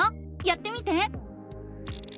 やってみて！